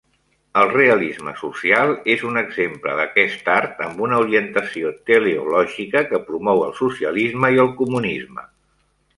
El realisme social és un exemple d'aquest art amb una orientació teleològica que promou el socialisme i el comunisme.